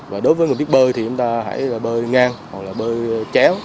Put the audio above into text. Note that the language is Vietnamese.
và đối với người biết bơi thì chúng ta hãy bơi ngang hoặc là bơi chéo